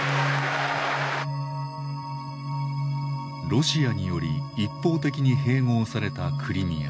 ロシアにより一方的に併合されたクリミア。